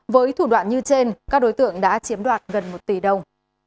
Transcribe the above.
với thủ đoạn như trên các đối tượng đã chiếm đoạt gần một tỷ đồng